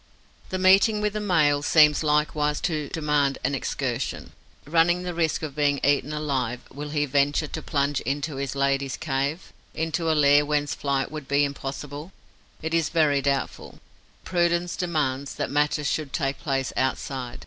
The meeting with the male seems likewise to demand an excursion. Running the risk of being eaten alive, will he venture to plunge into his lady's cave, into a lair whence flight would be impossible? It is very doubtful. Prudence demands that matters should take place outside.